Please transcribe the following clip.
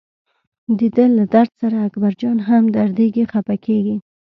دده له درد سره اکبرجان هم دردېږي خپه کېږي.